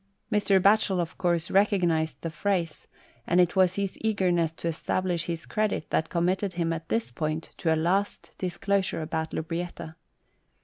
Mr. Batchel, of course, recognised the phrase, and it was his eagerness to establish his credit that committed him at this point to a last disclosure about Lubrietta.